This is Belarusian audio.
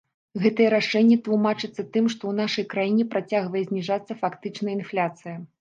Гэтае рашэнне тлумачыцца тым, што ў нашай краіне працягвае зніжацца фактычная інфляцыя.